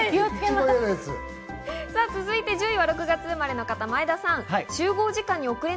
１０位は６月生まれの方、前田さん。